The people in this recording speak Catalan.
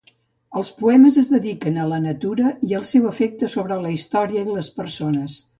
Els poemes es dediquen a la natura i el seu efecte sobre la història i les persones.